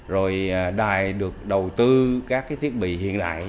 rồi đài được đầu tư các thiết bị hiện đại